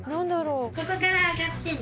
ここから上がってね。